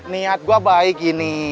niat gue baik gini